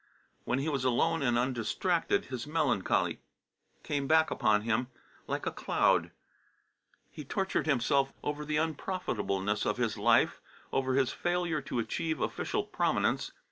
When he was alone and undistracted, his melancholy came back upon him like a cloud. He tortured himself over the unprofitableness of his life, over his failure to achieve official prominence.